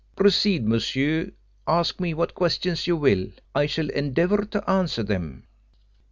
"Proceed, monsieur: ask me what questions you will. I shall endeavour to answer them."